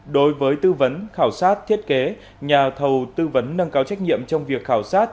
đối với tư vấn khảo sát thiết kế nhà thầu tư vấn nâng cao trách nhiệm trong việc khảo sát